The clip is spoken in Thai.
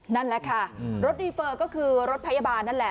นั่นแหละค่ะรถรีเฟอร์ก็คือรถพยาบาลนั่นแหละ